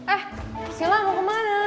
eh sila mau kemana